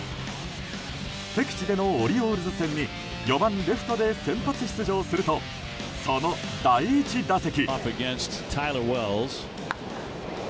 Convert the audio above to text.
敵地でのオリオールズ戦に４番レフトで先発出場するとその第１打席。